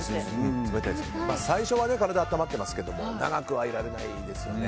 最初は体、温まってますけど長くはいられないですよね。